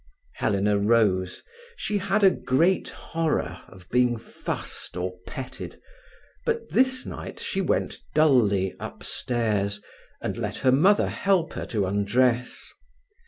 Helena rose. She had a great horror of being fussed or petted, but this night she went dully upstairs, and let her mother help her to undress.